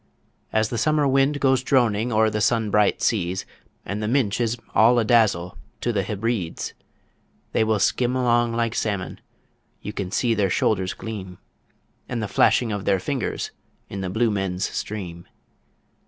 As the summer wind goes droning o'er the sun bright seas, And the Minch is all a dazzle to the Hebrides; They will skim along like salmon you can see their shoulders gleam, And the flashing of their fingers in the Blue Men's Stream.